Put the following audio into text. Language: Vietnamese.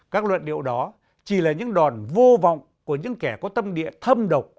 các luận điệu đó chỉ là những đòn vô vọng của những kẻ có tâm địa thâm độc